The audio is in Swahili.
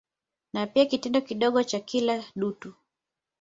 Ni pia kitengo kidogo cha kila dutu.